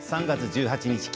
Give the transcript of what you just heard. ３月１８日